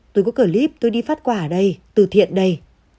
tôi có clip tôi đi phát quà ở đây từ thiện đây